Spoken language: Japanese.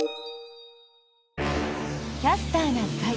「キャスターな会」。